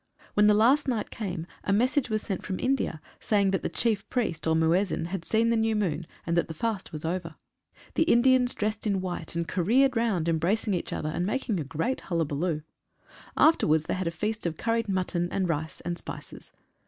When the last night came a message was sent from India, saying that the Chief Priest, or Muezzin, had seen the new moon, and that the fast was over. The Indians 99 HARVESTING. dressed in white and careered round, embracing each other and making a great hullabuloo. Afterwards they had a feast of curried mutton and rice and spices.